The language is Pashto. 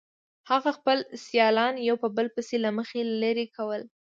هغه خپل سیالان یو په بل پسې له مخې لرې کړل